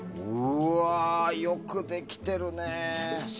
よくできてるね。